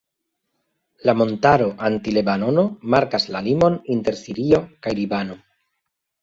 La montaro Anti-Lebanono markas la limon inter Sirio kaj Libano.